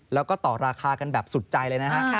แล้วก็ต่อราคากันแบบสุดใจเลยนะฮะ